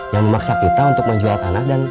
yang memaksa kita untuk menjual anak dan